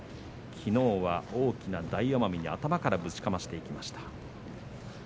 きのうは、大きな大奄美に頭からぶちかましていきました。